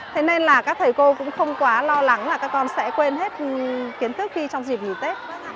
thế nên là các thầy cô cũng không quá lo lắng là các con sẽ quên hết kiến thức khi trong dịp nghỉ tết